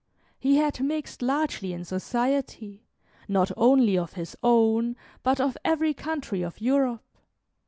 He had mixed largely in society, not only of his own, but of every country of Europe.